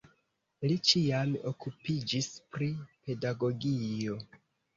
Li ĉiam okupiĝis pri pedagogio.